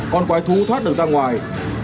con quái thú thoát được ra ngoài